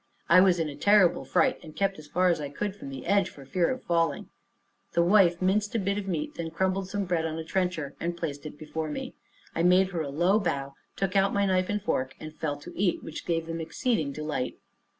I was in a terrible fright, and kept as far as I could from the edge, for fear of falling. The wife minced a bit of meat, then crumbled some bread on a trencher, and placed it before me. I made her a low bow, took out my knife and fork, and fell to eat, which gave them exceeding delight.